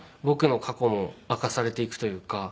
僕の過去も明かされていくというか。